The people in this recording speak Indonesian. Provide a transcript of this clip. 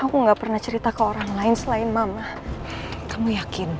aku nggak pernah ceritain apa apa itu mbak